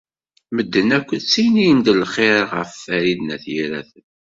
Medden akk ttinin-d lxir ɣef Farid n At Yiraten.